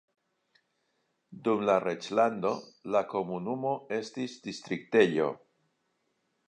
Dum la reĝlando la komunumo estis distriktejo.